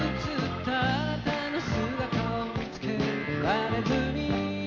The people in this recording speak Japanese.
「あなたの姿を見つけられずに」